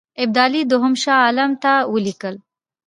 ابدالي دوهم شاه عالم ته ولیکل.